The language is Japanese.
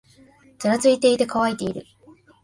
ざらついていて、乾いている